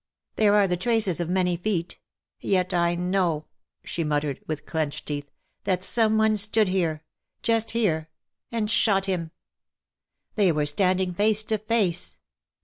There are the traces of many feet. Yet I know,^^ she muttered, with clenched teeth, " that some one stood here — just here — and shot him. They were standing face to face.